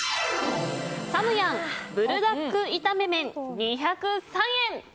三養ブルダック炒め麺２０３円。